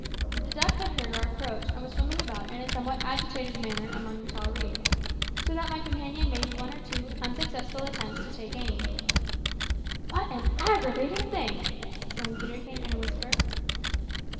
The duck had heard our approach, and was swimming about in a somewhat agitated manner among the tall reeds, so that my companion made one or two unsuccessful attempts to take aim. "What an aggravating thing!" exclaimed Peterkin in a whisper.